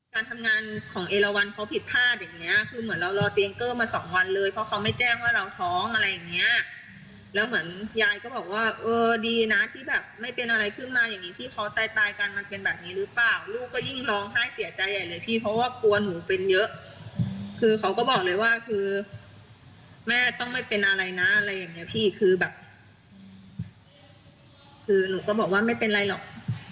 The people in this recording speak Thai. การทำงานของเอลวันเขาผิดพลาดอย่างเงี้ยคือเหมือนเรารอเตียงเกอร์มาสองวันเลยเพราะเขาไม่แจ้งว่าเราท้องอะไรอย่างเงี้ยแล้วเหมือนยายก็บอกว่าเออดีนะที่แบบไม่เป็นอะไรขึ้นมาอย่างงี้ที่เขาตายตายกันมันเป็นแบบนี้หรือเปล่าลูกก็ยิ่งร้องไห้เสียใจใหญ่เลยพี่เพราะว่ากลัวหนูเป็นเยอะคือเขาก็บอกเลยว่าคือแม่ต้องไม่เป็นอะไรนะอะไรอย่างเงี้ยพี่คือแบบคือหนูก็บอกว่าไม่เป็นไรหรอก